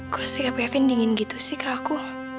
kok sikapnya vin dingin gitu sih ke aku